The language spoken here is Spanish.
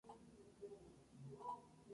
Le acompañaban su esposa y sus hijos menores.